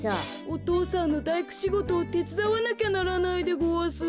お父さんのだいくしごとをてつだわなきゃならないでごわす。